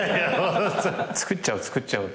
作っちゃおう作っちゃおうっつって。